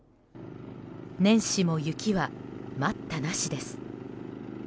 年始も雪は、待ったなしです。